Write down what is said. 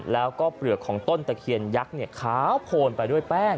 แล้วก็เปลือกของต้นตะเคียนยักษ์ขาวโพนไปด้วยแป้ง